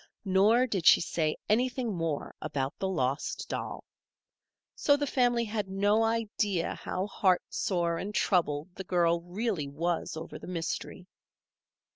Nor did she say anything more about the lost doll. So the family had no idea how heartsore and troubled the girl really was over the mystery.